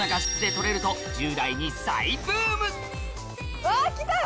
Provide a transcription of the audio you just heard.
うわ来た！